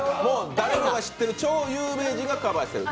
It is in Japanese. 誰もが知ってる超有名人がカバーしている。